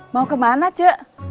mau kemana cu